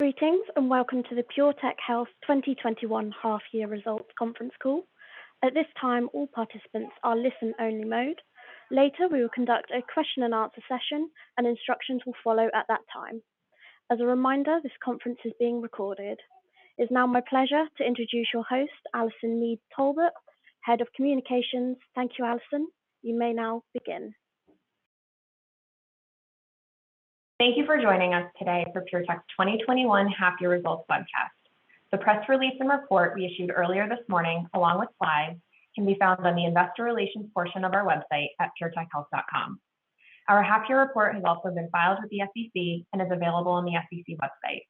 Greetings, and welcome to the PureTech Health 2021 half year results conference call. It's now my pleasure to introduce your host, Allison Mead Talbot, Head of Communications. Thank you, Allison. You may now begin. Thank you for joining us today for PureTech's 2021 half year results webcast. The press release and report we issued earlier this morning, along with slides, can be found on the investor relations portion of our website at puretechhealth.com. Our half year report has also been filed with the SEC and is available on the SEC website.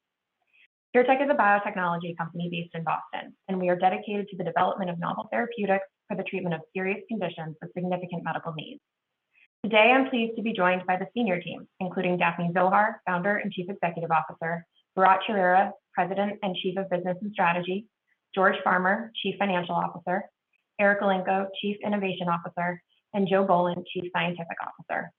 PureTech is a biotechnology company based in Boston, and we are dedicated to the development of novel therapeutics for the treatment of serious conditions for significant medical needs. Today, I'm pleased to be joined by the senior team, including Daphne Zohar, Founder and Chief Executive Officer, Bharatt Chowrira, President and Chief of Business and Strategy, George Farmer, Chief Financial Officer, Eric Elenko, Chief Innovation Officer, and Joseph Bolen, Chief Scientific Officer.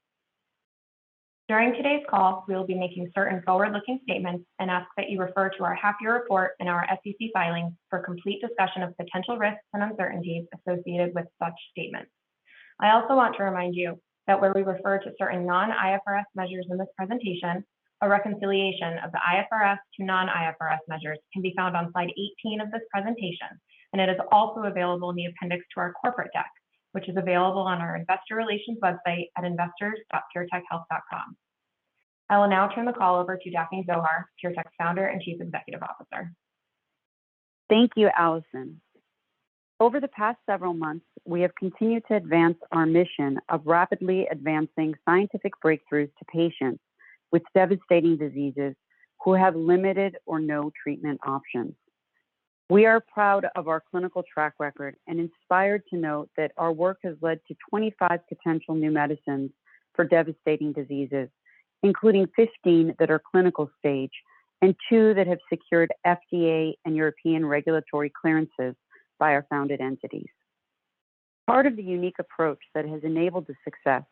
During today's call, we will be making certain forward-looking statements and ask that you refer to our half year report and our SEC filings for a complete discussion of potential risks and uncertainties associated with such statements. I also want to remind you that where we refer to certain non-IFRS measures in this presentation, a reconciliation of the IFRS to non-IFRS measures can be found on slide 18 of this presentation, and it is also available in the appendix to our corporate deck, which is available on our investor relations website at investors.puretechhealth.com. I will now turn the call over to Daphne Zohar, PureTech's Founder and Chief Executive Officer. Thank you, Allison. Over the past several months, we have continued to advance our mission of rapidly advancing scientific breakthroughs to patients with devastating diseases who have limited or no treatment options. We are proud of our clinical track record and inspired to note that our work has led to 25 potential new medicines for devastating diseases, including 15 that are clinical stage and two that have secured FDA and European regulatory clearances by our founded entities. Part of the unique approach that has enabled this success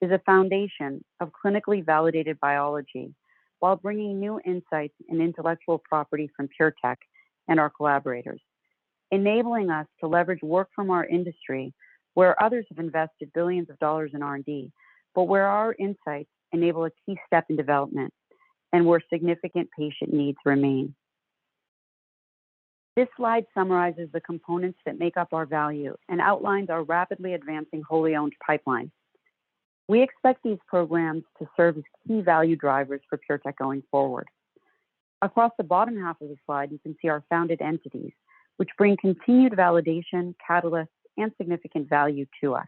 is a foundation of clinically validated biology while bringing new insights and intellectual property from PureTech and our collaborators, enabling us to leverage work from our industry where others have invested billions of dollars in R&D, but where our insights enable a key step in development and where significant patient needs remain. This slide summarizes the components that make up our value and outlines our rapidly advancing wholly-owned pipeline. We expect these programs to serve as key value drivers for PureTech going forward. Across the bottom half of the slide, you can see our founded entities, which bring continued validation, catalysts, and significant value to us.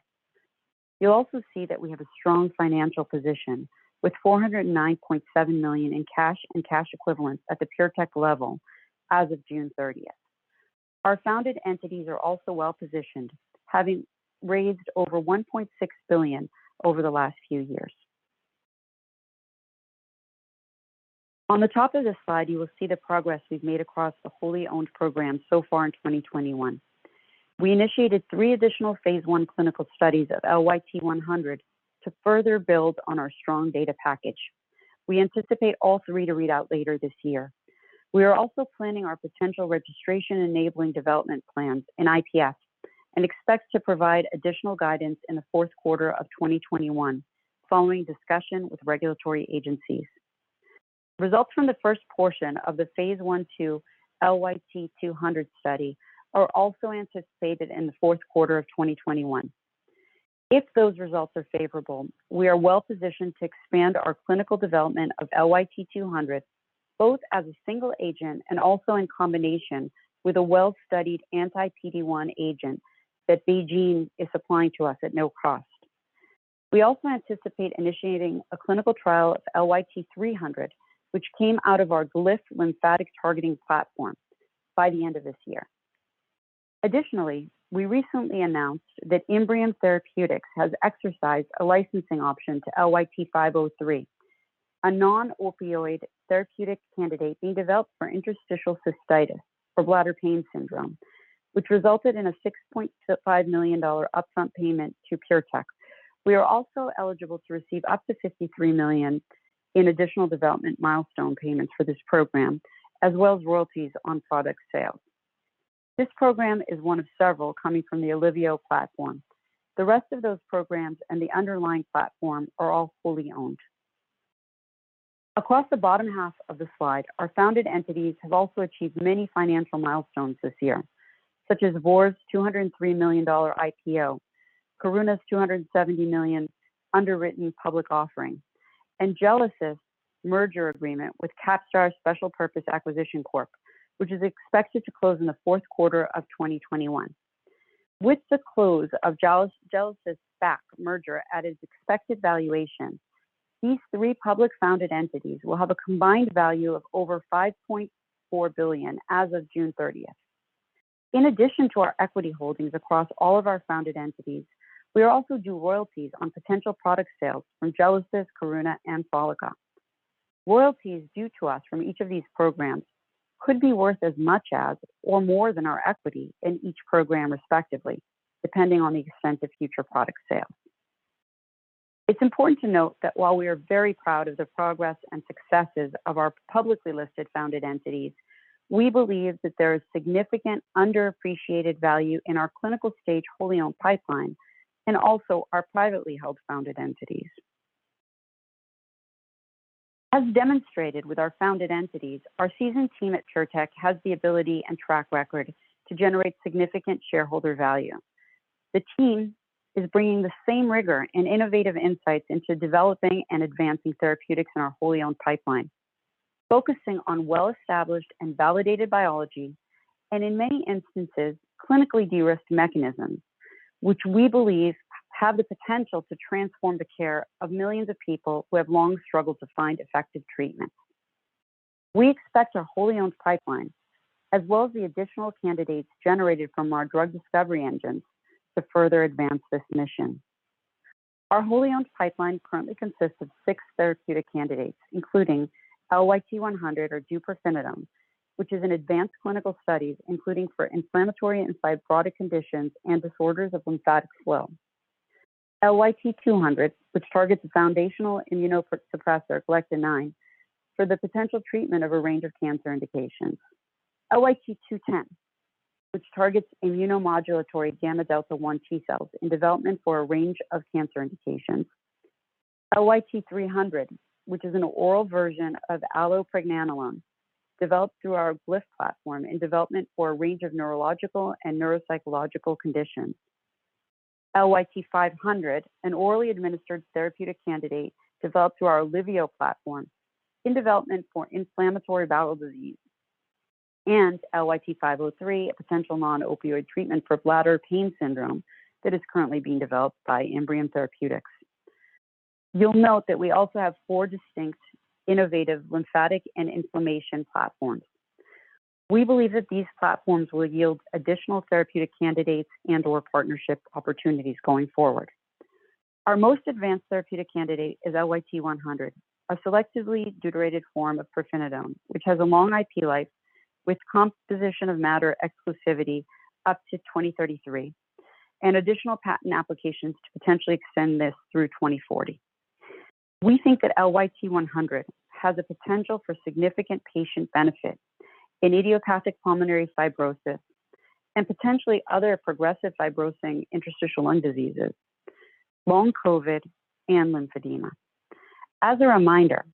You'll also see that we have a strong financial position, with $409.7 million in cash and cash equivalents at the PureTech level as of June 30th. Our founded entities are also well-positioned, having raised over $1.6 billion over the last few years. On the top of this slide, you will see the progress we've made across the wholly-owned program so far in 2021. We initiated three additional phase I clinical studies of LYT-100 to further build on our strong data package. We anticipate all three to read out later this year. We are also planning our potential registration enabling development plans in IPF, and expect to provide additional guidance in the fourth quarter of 2021 following discussion with regulatory agencies. Results from the first portion of the phase I-II LYT-200 study are also anticipated in the fourth quarter of 2021. If those results are favorable, we are well-positioned to expand our clinical development of LYT-200, both as a single agent and also in combination with a well-studied anti-PD-1 agent that BeiGene is supplying to us at no cost. We also anticipate initiating a clinical trial of LYT-300, which came out of our Glyph lymphatic targeting platform, by the end of this year. Additionally, we recently announced that Imbrium Therapeutics has exercised a licensing option to LYT-503, a non-opioid therapeutic candidate being developed for interstitial cystitis or bladder pain syndrome, which resulted in a $6.5 million upfront payment to PureTech. We are also eligible to receive up to $53 million in additional development milestone payments for this program, as well as royalties on product sales. This program is one of several coming from the Alivio platform. The rest of those programs and the underlying platform are all wholly owned. Across the bottom half of the slide, our founded entities have also achieved many financial milestones this year, such as Vor's $203 million IPO, Karuna's $270 million underwritten public offering, and Gelesis' merger agreement with Capstar's Special Purpose Acquisition Corp, which is expected to close in the fourth quarter of 2021. With the close of Gelesis SPAC merger at its expected valuation, these three public-founded entities will have a combined value of over $5.4 billion as of June 30th. In addition to our equity holdings across all of our founded entities, we also do royalties on potential product sales from Gelesis, Karuna, and Follica. Royalties due to us from each of these programs could be worth as much as or more than our equity in each program respectively, depending on the extent of future product sales. It's important to note that while we are very proud of the progress and successes of our publicly listed founded entities, we believe that there is significant underappreciated value in our clinical-stage wholly-owned pipeline, and also our privately held founded entities. As demonstrated with our founded entities, our seasoned team at PureTech has the ability and track record to generate significant shareholder value. The team is bringing the same rigor and innovative insights into developing and advancing therapeutics in our wholly-owned pipeline, focusing on well-established and validated biology, and in many instances, clinically de-risked mechanisms, which we believe have the potential to transform the care of millions of people who have long struggled to find effective treatments. We expect our wholly-owned pipeline, as well as the additional candidates generated from our drug discovery engines, to further advance this mission. Our wholly-owned pipeline currently consists of 6 therapeutic candidates, including LYT-100, or deupirfenidone, which is in advanced clinical studies, including for inflammatory and fibrotic conditions and disorders of lymphatic flow. LYT-200, which targets the foundational immunosuppressor galectin-9 for the potential treatment of a range of cancer indications. LYT-210, which targets immunomodulatory gamma delta 1 T cells in development for a range of cancer indications. LYT-300, which is an oral version of allopregnanolone, developed through our Glyph platform in development for a range of neurological and neuropsychological conditions. LYT-500, an orally administered therapeutic candidate developed through our Alivio platform in development for inflammatory bowel disease. LYT-503, a potential non-opioid treatment for bladder pain syndrome that is currently being developed by Imbrium Therapeutics. You'll note that we also have four distinct innovative lymphatic and inflammation platforms. We believe that these platforms will yield additional therapeutic candidates and/or partnership opportunities going forward. Our most advanced therapeutic candidate is LYT-100, a selectively deuterated form of pirfenidone, which has a long IP life with composition of matter exclusivity up to 2033, and additional patent applications to potentially extend this through 2040. We think that LYT-100 has the potential for significant patient benefit in idiopathic pulmonary fibrosis, and potentially other Progressive Fibrosing Interstitial Lung Diseases, long COVID, and lymphedema. As a reminder,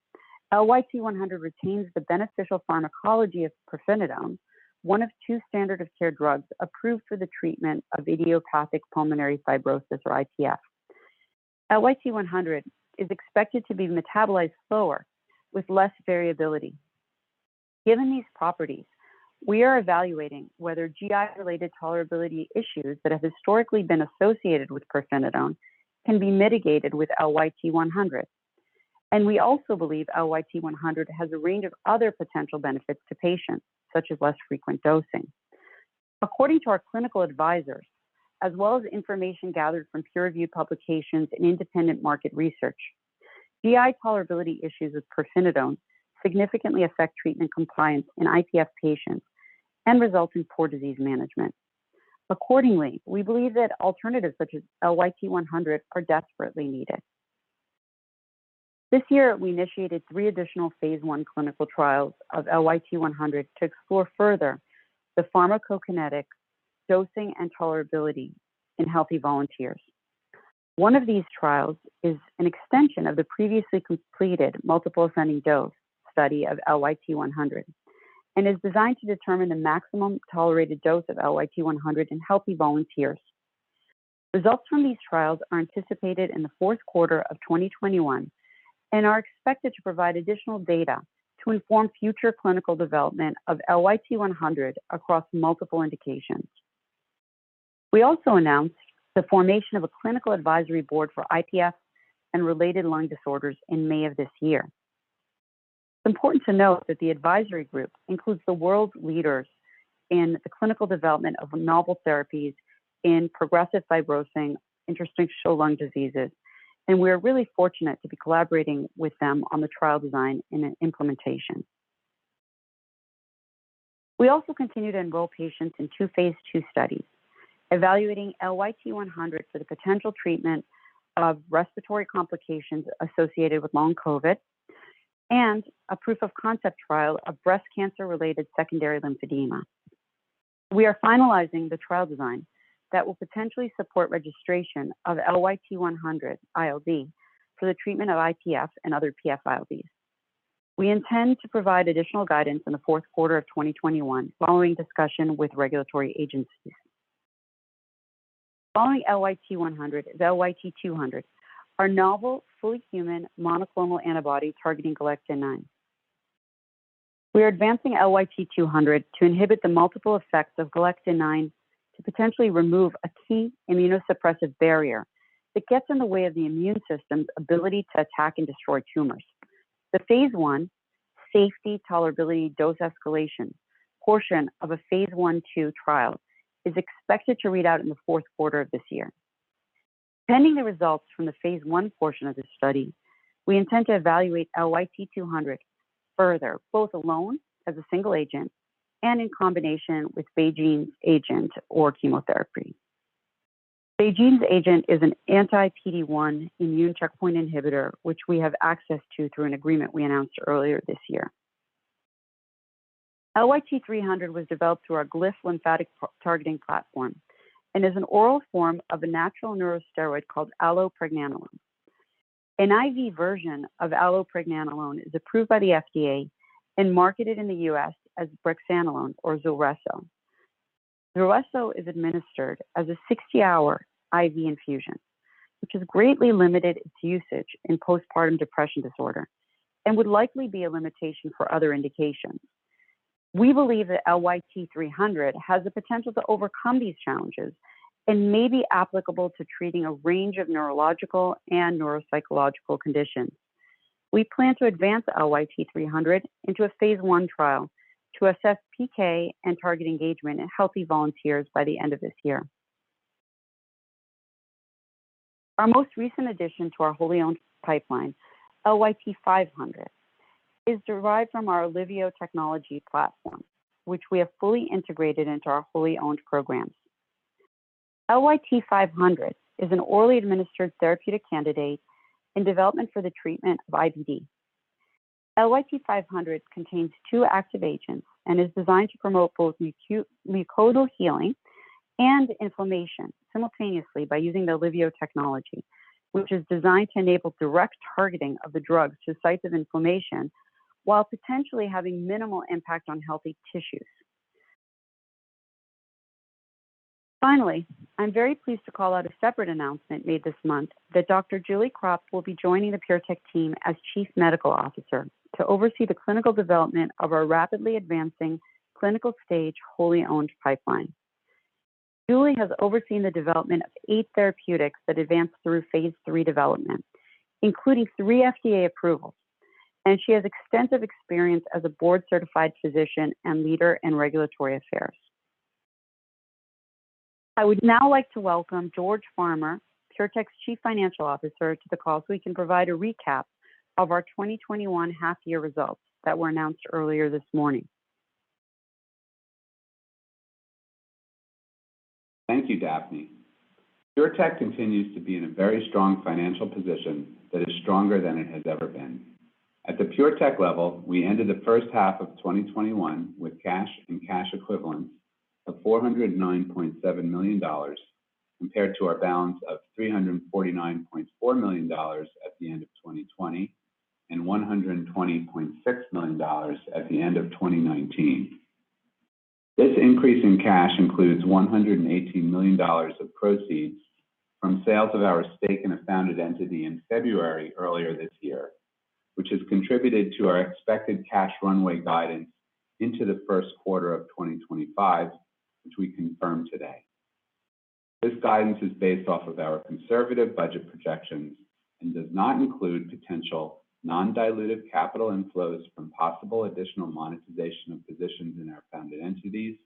LYT-100 retains the beneficial pharmacology of pirfenidone, one of two standard of care drugs approved for the treatment of idiopathic pulmonary fibrosis or IPF. LYT-100 is expected to be metabolized slower with less variability. Given these properties, we are evaluating whether GI-related tolerability issues that have historically been associated with pirfenidone can be mitigated with LYT-100, and we also believe LYT-100 has a range of other potential benefits to patients, such as less frequent dosing. According to our clinical advisors, as well as information gathered from peer-reviewed publications and independent market research, GI tolerability issues with pirfenidone significantly affect treatment compliance in IPF patients and result in poor disease management. Accordingly, we believe that alternatives such as LYT-100 are desperately needed. This year, we initiated three additional phase I clinical trials of LYT-100 to explore further the pharmacokinetic dosing and tolerability in healthy volunteers. One of these trials is an extension of the previously completed multiple ascending dose study of LYT-100 and is designed to determine the maximum tolerated dose of LYT-100 in healthy volunteers. Results from these trials are anticipated in the fourth quarter of 2021 and are expected to provide additional data to inform future clinical development of LYT-100 across multiple indications. We also announced the formation of a clinical advisory board for IPF and related lung disorders in May of this year. It's important to note that the advisory group includes the world's leaders in the clinical development of novel therapies in Progressive Fibrosing Interstitial Lung Diseases, and we're really fortunate to be collaborating with them on the trial design and implementation. We also continue to enroll patients in two phase II studies evaluating LYT-100 for the potential treatment of respiratory complications associated with long COVID, and a proof of concept trial of breast cancer-related secondary lymphedema. We are finalizing the trial design that will potentially support registration of LYT-100 ILD for the treatment of IPF and other PF-ILDs. We intend to provide additional guidance in the fourth quarter of 2021 following discussion with regulatory agencies. LYT-100 is LYT-200, our novel fully human monoclonal antibody targeting galectin-9. We are advancing LYT-200 to inhibit the multiple effects of galectin-9 to potentially remove a key immunosuppressive barrier that gets in the way of the immune system's ability to attack and destroy tumors. The phase I safety tolerability dose escalation portion of a phase I/II trial is expected to read out in the fourth quarter of this year. Pending the results from the phase I portion of this study. We intend to evaluate LYT-200 further, both alone as a single agent and in combination with BeiGene's agent or chemotherapy. BeiGene's agent is an anti-PD-1 immune checkpoint inhibitor, which we have access to through an agreement we announced earlier this year. LYT-300 was developed through our Glyph lymphatic targeting platform, and is an oral form of a natural neurosteroid called allopregnanolone. An IV version of allopregnanolone is approved by the FDA and marketed in the U.S. as brexanolone or ZULRESSO. ZULRESSO is administered as a 60-hour IV infusion, which has greatly limited its usage in postpartum depression disorder and would likely be a limitation for other indications. We believe that LYT-300 has the potential to overcome these challenges and may be applicable to treating a range of neurological and neuropsychological conditions. We plan to advance LYT-300 into a phase I trial to assess PK and target engagement in healthy volunteers by the end of this year. Our most recent addition to our wholly owned pipeline, LYT-500, is derived from our Alivio technology platform, which we have fully integrated into our wholly owned programs. LYT-500 is an orally administered therapeutic candidate in development for the treatment of IBD. LYT-500 contains two active agents and is designed to promote both mucosal healing and inflammation simultaneously by using the Alivio technology, which is designed to enable direct targeting of the drugs to sites of inflammation, while potentially having minimal impact on healthy tissues. Finally, I'm very pleased to call out a separate announcement made this month that Dr. Julie Krop will be joining the PureTech team as Chief Medical Officer to oversee the clinical development of our rapidly advancing clinical stage wholly owned pipeline. Julie has overseen the development of eight therapeutics that advanced through phase III development, including three FDA approvals, and she has extensive experience as a board-certified physician and leader in regulatory affairs. I would now like to welcome George Farmer, PureTech's Chief Financial Officer, to the call so he can provide a recap of our 2021 half year results that were announced earlier this morning. Thank you, Daphne. PureTech continues to be in a very strong financial position that is stronger than it has ever been. At the PureTech level, we ended the first half of 2021 with cash and cash equivalents of $409.7 million, compared to our balance of $349.4 million at the end of 2020 and $120.6 million at the end of 2019. This increase in cash includes $118 million of proceeds from sales of our stake in a founded entity in February earlier this year, which has contributed to our expected cash runway guidance into the first quarter of 2025, which we confirm today. This guidance is based off of our conservative budget projections and does not include potential non-dilutive capital inflows from possible additional monetization of positions in our founded entities,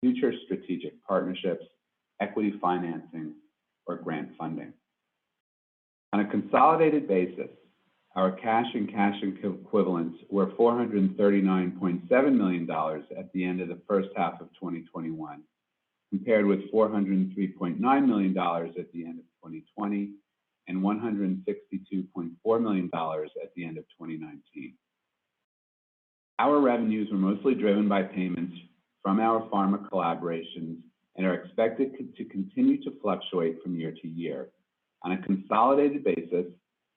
future strategic partnerships, equity financing, or grant funding. On a consolidated basis, our cash and cash equivalents were $439.7 million at the end of the first half of 2021, compared with $403.9 million at the end of 2020 and $162.4 million at the end of 2019. Our revenues were mostly driven by payments from our pharma collaborations and are expected to continue to fluctuate from year to year. On a consolidated basis,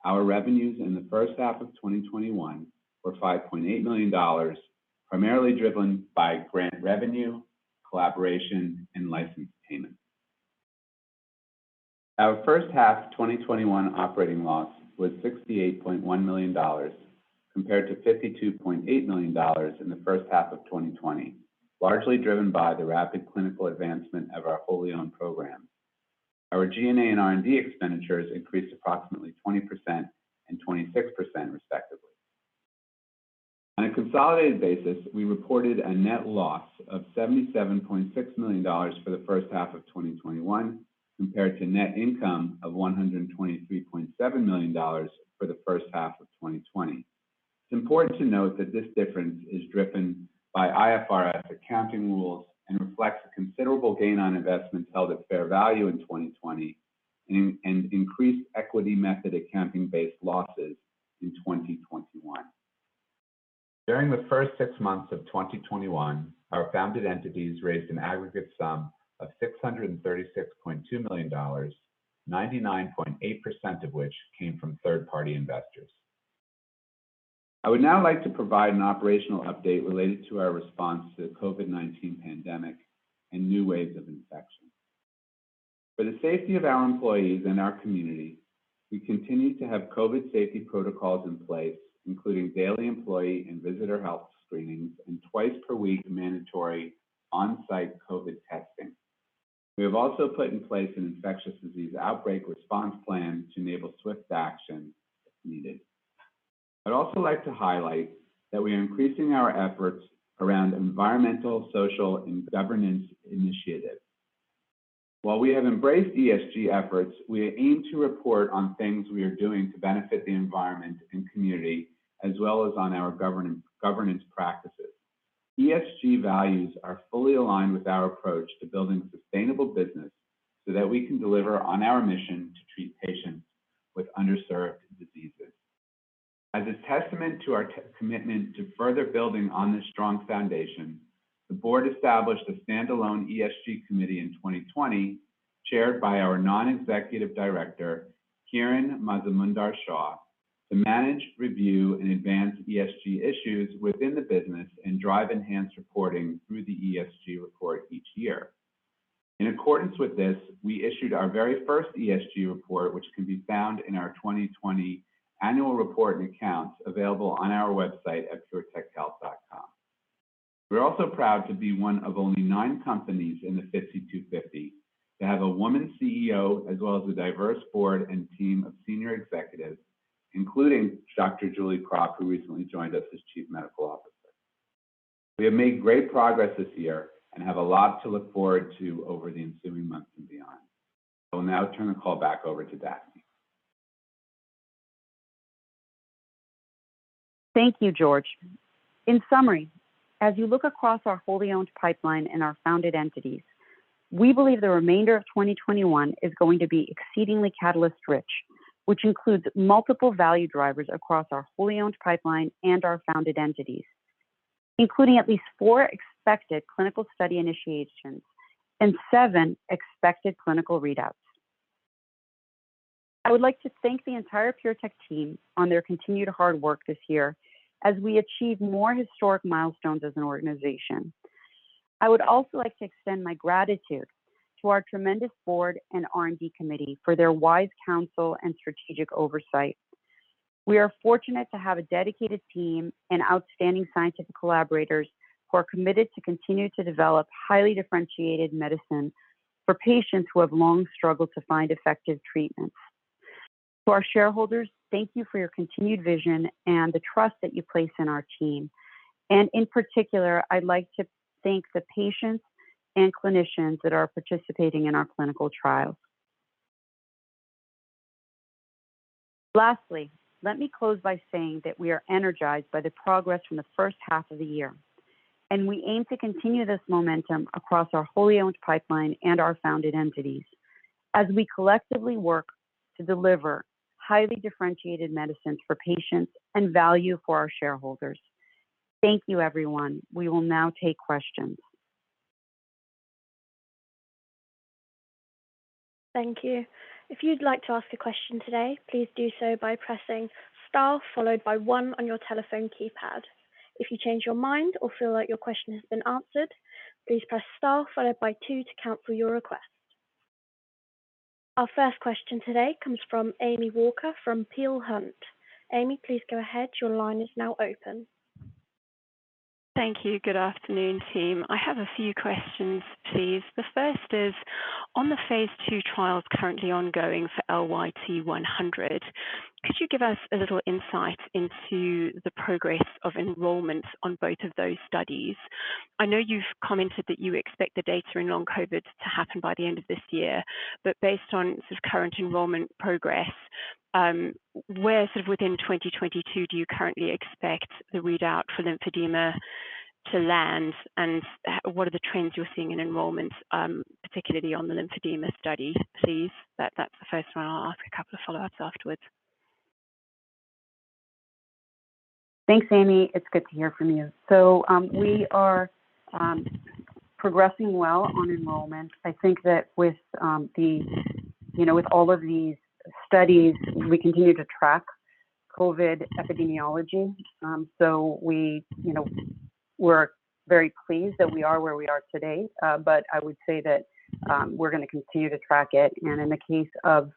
our revenues in the first half of 2021 were $5.8 million, primarily driven by grant revenue, collaboration, and license payments. Our first half 2021 operating loss was $68.1 million, compared to $52.8 million in the first half of 2020, largely driven by the rapid clinical advancement of our wholly-owned program. Our G&A and R&D expenditures increased approximately 20% and 26% respectively. On a consolidated basis, we reported a net loss of $77.6 million for the first half of 2021, compared to net income of $123.7 million for the first half of 2020. It's important to note that this difference is driven by IFRS accounting rules and reflects a considerable gain on investments held at fair value in 2020 and increased equity method accounting-based losses in 2021. During the first six months of 2021, our founded entities raised an aggregate sum of $636.2 million, 99.8% of which came from third-party investors. I would now like to provide an operational update related to our response to the COVID-19 pandemic and new waves of infection. For the safety of our employees and our community, we continue to have COVID safety protocols in place, including daily employee and visitor health screenings and twice per week mandatory on-site COVID testing. We have also put in place an infectious disease outbreak response plan to enable swift action if needed. I'd also like to highlight that we are increasing our efforts around environmental, social, and governance initiatives. While we have embraced ESG efforts, we aim to report on things we are doing to benefit the environment and community, as well as on our governance practices. ESG values are fully aligned with our approach to building sustainable business so that we can deliver on our mission to treat patients with underserved diseases. As a testament to our commitment to further building on this strong foundation, the board established a standalone ESG committee in 2020, chaired by our non-executive director, Kiran Mazumdar-Shaw, to manage, review, and advance ESG issues within the business and drive enhanced reporting through the ESG report each year. In accordance with this, we issued our very first ESG report, which can be found in our 2020 annual report and accounts available on our website at puretechhealth.com. We are also proud to be one of only nine companies in the FTSE 250 to have a woman CEO, as well as a diverse board and team of senior executives, including Dr. Julie Krop, who recently joined us as Chief Medical Officer. We have made great progress this year and have a lot to look forward to over the ensuing months and beyond. I will now turn the call back over to Daphne. Thank you, George. In summary, as you look across our wholly owned pipeline and our founded entities, we believe the remainder of 2021 is going to be exceedingly catalyst rich, which includes multiple value drivers across our wholly owned pipeline and our founded entities, including at least four expected clinical study initiations and seven expected clinical readouts. I would like to thank the entire PureTech team on their continued hard work this year as we achieve more historic milestones as an organization. I would also like to extend my gratitude to our tremendous board and R&D committee for their wise counsel and strategic oversight. We are fortunate to have a dedicated team and outstanding scientific collaborators who are committed to continue to develop highly differentiated medicine for patients who have long struggled to find effective treatments. To our shareholders, thank you for your continued vision and the trust that you place in our team. In particular, I'd like to thank the patients and clinicians that are participating in our clinical trials. Lastly, let me close by saying that we are energized by the progress from the first half of the year. We aim to continue this momentum across our wholly owned pipeline and our founded entities as we collectively work to deliver highly differentiated medicines for patients and value for our shareholders. Thank you, everyone. We will now take questions. Thank you. Our first question today comes from Amy Walker from Peel Hunt. Amy, please go ahead. Your line is now open. Thank you. Good afternoon, team. I have a few questions, please. The first is on the phase II trials currently ongoing for LYT-100. Could you give us a little insight into the progress of enrollment on both of those studies? I know you've commented that you expect the data in long COVID to happen by the end of this year, but based on sort of current enrollment progress, where sort of within 2022 do you currently expect the readout for lymphedema to land? What are the trends you're seeing in enrollments, particularly on the lymphedema study, please? That's the first one. I'll ask a couple of follow-ups afterwards. Thanks, Amy. It's good to hear from you. We are progressing well on enrollment. I think that with all of these studies, we continue to track COVID epidemiology. We're very pleased that we are where we are today. I would say that we're going to continue to track it, and in the case of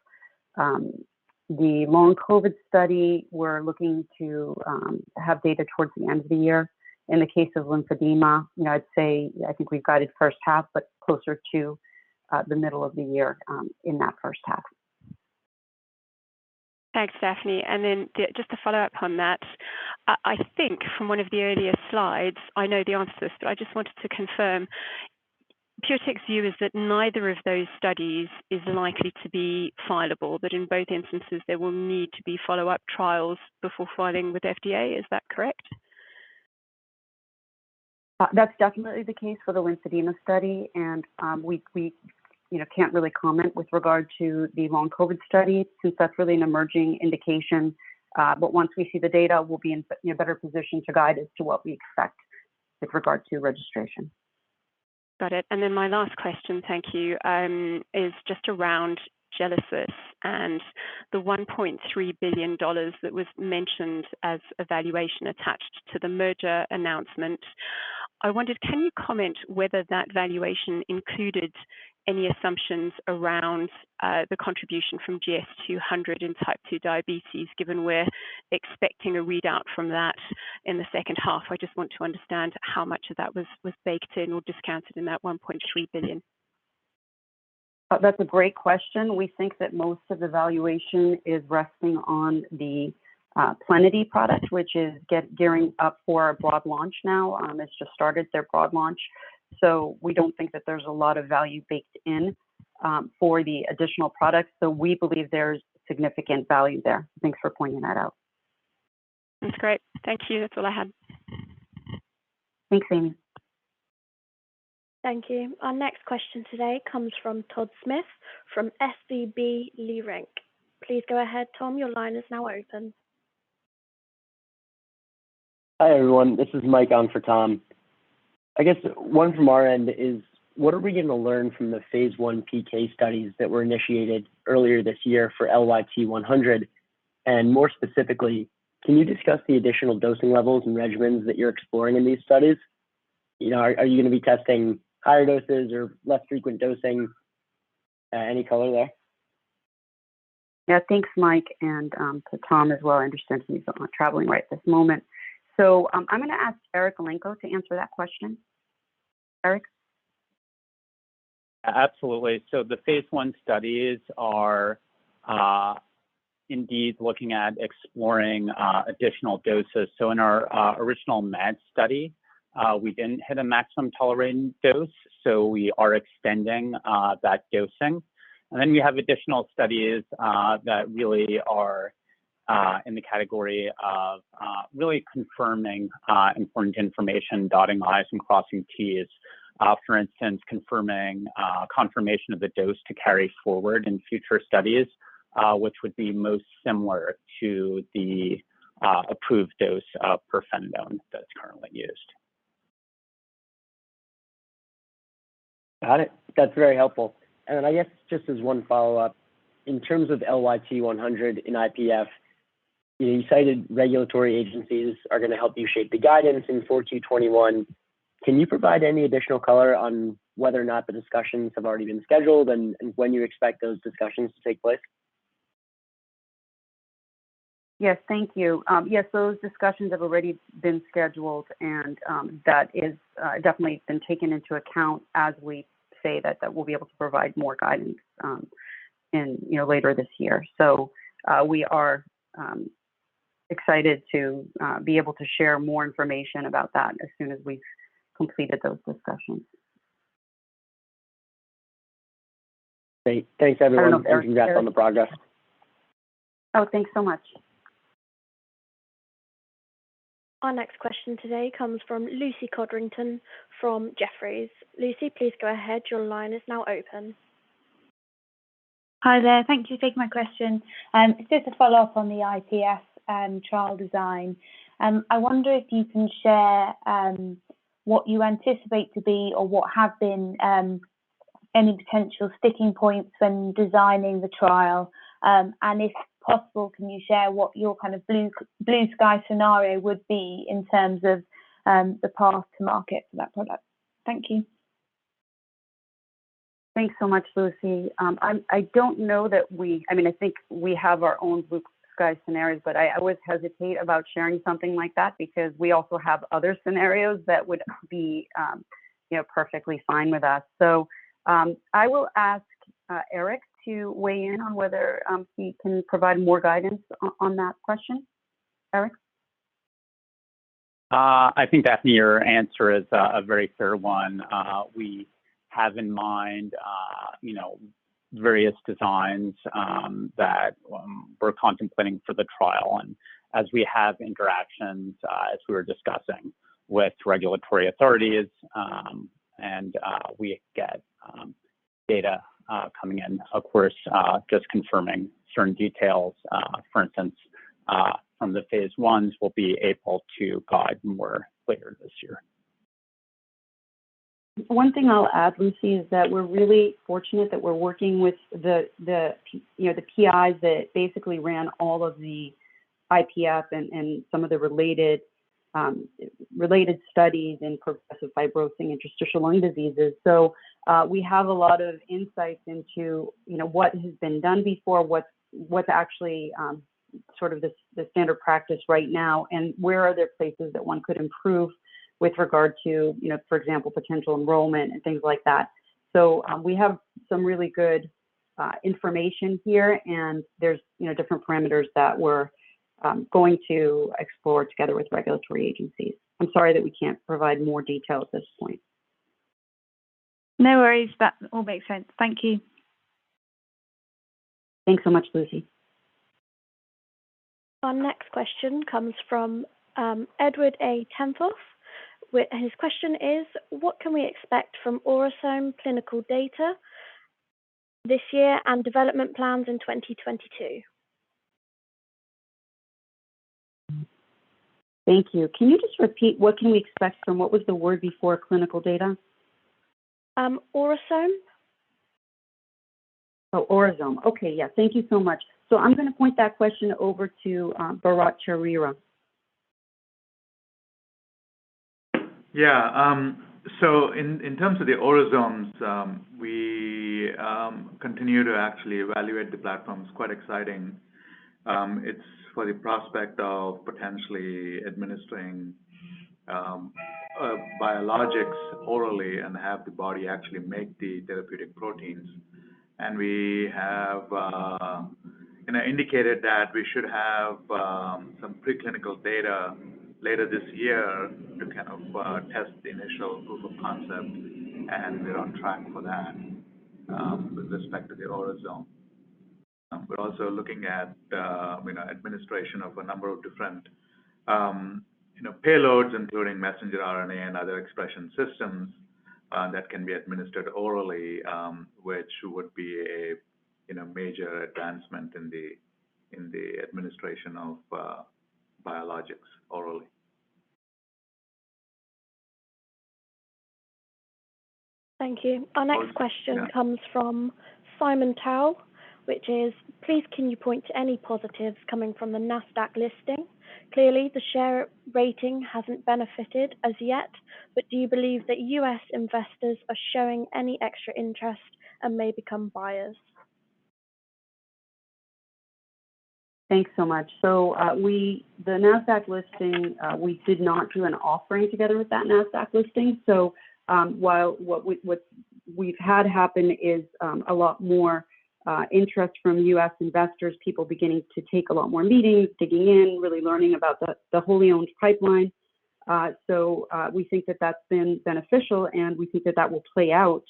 the long COVID study, we're looking to have data towards the end of the year. In the case of lymphedema, I'd say I think we've guided first half, but closer to the middle of the year in that first half. Thanks, Daphne. Just to follow up on that, I think from one of the earlier slides, I know the answer to this, but I just wanted to confirm. PureTech's view is that neither of those studies is likely to be fileable, that in both instances there will need to be follow-up trials before filing with FDA. Is that correct? That's definitely the case for the lymphedema study. We can't really comment with regard to the long COVID study since that's really an emerging indication. Once we see the data, we'll be in a better position to guide as to what we expect with regard to registration. Got it. My last question, thank you, is just around Gelesis and the $1.3 billion that was mentioned as a valuation attached to the merger announcement. I wondered, can you comment whether that valuation included any assumptions around the contribution from GS200 in Type 2 diabetes, given we're expecting a readout from that in the second half? I just want to understand how much of that was baked in or discounted in that $1.3 billion. That's a great question. We think that most of the valuation is resting on the Plenity product, which is gearing up for a broad launch now. It's just started their broad launch. We don't think that there's a lot of value baked in for the additional products. We believe there's significant value there. Thanks for pointing that out. That's great. Thank you. That's all I had. Thanks, Amy. Thank you. Our next question today comes from Thomas Smith from SVB Leerink. Please go ahead, Tom, your line is now open. Hi, everyone. This is Mike on for Tom. I guess one from our end is, what are we going to learn from the phase I PK studies that were initiated earlier this year for LYT-100, and more specifically, can you discuss the additional dosing levels and regimens that you're exploring in these studies? Are you going to be testing higher doses or less frequent dosing? Any color there? Yeah. Thanks, Mike, and to Tom as well. I understand he's not traveling right this moment. I'm going to ask Eric Elenko to answer that question. Eric? Absolutely. The phase I studies are indeed looking at exploring additional doses. In our original MAD study, we didn't hit a maximum tolerant dose, so we are extending that dosing. We have additional studies that really are in the category of really confirming important information, dotting Is and crossing Ts. For instance, confirmation of the dose to carry forward in future studies, which would be most similar to the approved dose of pirfenidone that's currently used. Got it. That's very helpful. I guess just as one follow-up, in terms of LYT-100 in IPF, you cited regulatory agencies are going to help you shape the guidance in Q4 2021. Can you provide any additional color on whether or not the discussions have already been scheduled and when you expect those discussions to take place? Yes. Thank you. Those discussions have already been scheduled and that definitely has been taken into account as we say that we'll be able to provide more guidance later this year. We are excited to be able to share more information about that as soon as we've completed those discussions. Great. Thanks, everyone. I don't know, Eric. Congrats on the progress. Oh, thanks so much. Our next question today comes from Lucy Codrington from Jefferies. Lucy, please go ahead. Your line is now open. Hi there. Thank you for taking my question. Just to follow up on the IPF trial design. I wonder if you can share what you anticipate to be or what have been any potential sticking points when designing the trial. If possible, can you share what your kind of blue sky scenario would be in terms of the path to market for that product? Thank you. Thanks so much, Lucy. I think we have our own blue sky scenarios, but I always hesitate about sharing something like that because we also have other scenarios that would be perfectly fine with us. I will ask Eric to weigh in on whether he can provide more guidance on that question. Eric? I think, Daphne Zohar, your answer is a very fair one. We have in mind various designs that we're contemplating for the trial, and as we have interactions as we were discussing with regulatory authorities, and we get data coming in, of course, just confirming certain details, for instance from the phase I, we'll be able to guide more later this year. One thing I'll add, Lucy, is that we're really fortunate that we're working with the PIs that basically ran all of the IPF and some of the related studies in Progressive Fibrosing Interstitial Lung Diseases. We have a lot of insights into what has been done before, what's actually sort of the standard practice right now and where are there places that one could improve with regard to, for example, potential enrollment and things like that. We have some really good information here and there's different parameters that we're going to explore together with regulatory agencies. I'm sorry that we can't provide more detail at this point. No worries. That all makes sense. Thank you. Thanks so much, Lucy. Our next question comes from Maurice Tempelsman. His question is, what can we expect from Orasome clinical data this year and development plans in 2022? Thank you. Can you just repeat what was the word before clinical data? Orozyme. Orasome. Okay. Thank you so much. I'm going to point that question over to Bharatt Chowrira. Yeah. In terms of the Orasome, we continue to actually evaluate the platforms. Quite exciting. It's for the prospect of potentially administering biologics orally and have the body actually make the therapeutic proteins. We have indicated that we should have some preclinical data later this year to test the initial proof of concept, and we're on track for that with respect to the Orasome. We're also looking at administration of a number of different payloads, including messenger RNA and other expression systems that can be administered orally which would be a major advancement in the administration of biologics orally. Thank you. Our next question comes from Simon Towle, which is, "Please can you point to any positives coming from the Nasdaq listing? Clearly, the share rating hasn't benefited as yet. Do you believe that U.S. investors are showing any extra interest and may become buyers? Thanks so much. The Nasdaq listing, we did not do an offering together with that Nasdaq listing. What we've had happen is a lot more interest from U.S. investors, people beginning to take a lot more meetings, digging in, really learning about the wholly-owned pipeline. We think that that's been beneficial, and we think that that will play out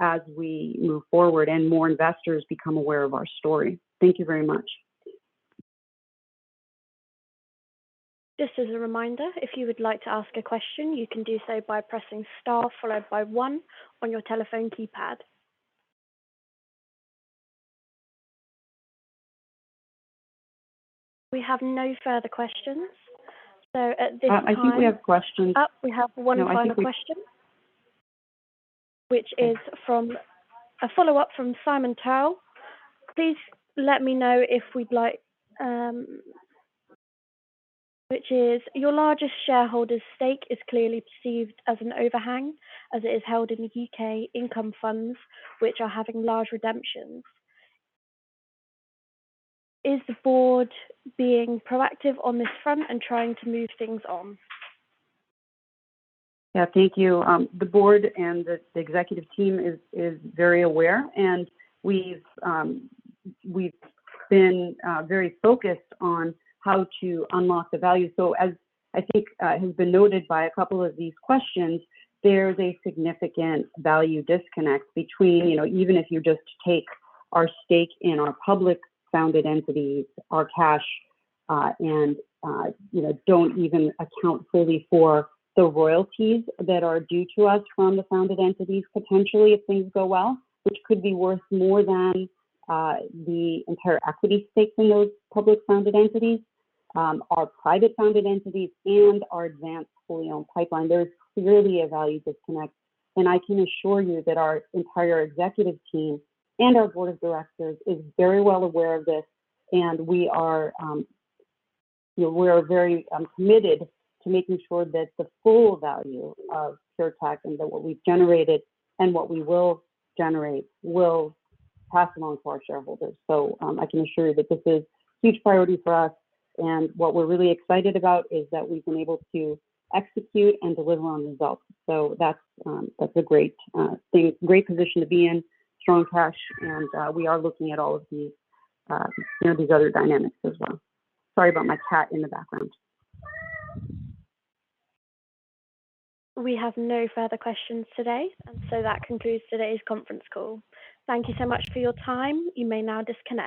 as we move forward and more investors become aware of our story. Thank you very much. Just as a reminder, if you would like to ask a question, you can do so by pressing star followed by one on your telephone keypad. We have no further questions. At this time. I think we have a question. We have one final question, which is a follow-up from Simon Towle. Which is, "Your largest shareholder's stake is clearly perceived as an overhang, as it is held in U.K. income funds, which are having large redemptions. Is the board being proactive on this front and trying to move things on? Yeah, thank you. The board and the executive team is very aware, and we've been very focused on how to unlock the value. As I think has been noted by a couple of these questions, there's a significant value disconnect between even if you just take our stake in our public-founded entities, our cash, and don't even account fully for the royalties that are due to us from the founded entities potentially, if things go well, which could be worth more than the entire equity stake from those public-founded entities, our private-founded entities and our advanced wholly owned pipeline. There is clearly a value disconnect. I can assure you that our entire executive team and our Board of Directors is very well aware of this. We are very committed to making sure that the full value of PureTech and what we've generated and what we will generate will pass along to our shareholders. I can assure you that this is a huge priority for us. What we're really excited about is that we've been able to execute and deliver on results. That's a great position to be in, strong cash. We are looking at all of these other dynamics as well. Sorry about my cat in the background. We have no further questions today. That concludes today's conference call. Thank you so much for your time. You may now disconnect